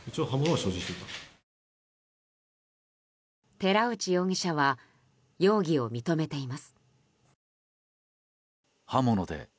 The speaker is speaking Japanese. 寺内容疑者は容疑を認めています。